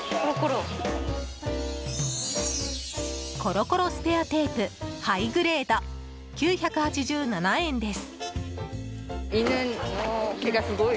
コロコロスペアテープハイグレード、９８７円です。